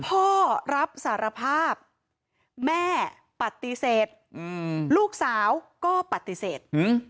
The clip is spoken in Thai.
พ่อรับสารภาพแม่ปฏิเสธลูกสาวก็ปฏิเสธ